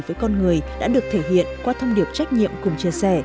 với con người đã được thể hiện qua thông điệp trách nhiệm cùng chia sẻ